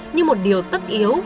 như một điều tất yếu